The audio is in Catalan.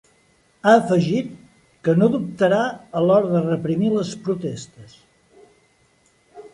Ha afegit que no dubtarà a l’hora de reprimir les protestes.